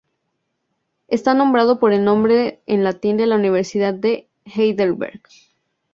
Está nombrado por el nombre en latín de la universidad de Heidelberg.